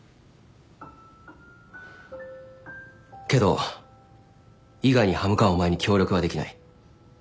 けど伊賀に刃向かうお前に協力はできない。